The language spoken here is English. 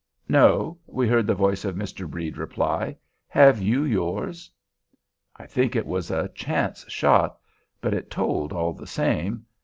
"No," we heard the voice of Mr. Brede reply. "Have you yours?" I think it was a chance shot; but it told all the same.